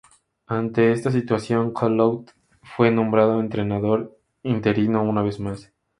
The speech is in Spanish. Ante esta situación, Collot fue nombrado entrenador interino una vez más.